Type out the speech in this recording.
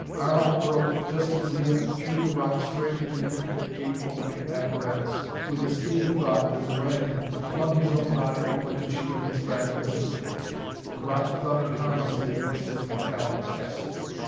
Arlok whirled just as Leah threw the rock straight at the intricate Gate opening apparatus. With the speed of thought the Xoranian flung his own body over to shield his fragile instruments. The rock thudded harmlessly against his metallic chest.